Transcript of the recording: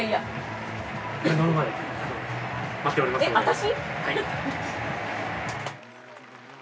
私？